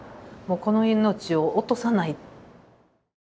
この命を落とさない。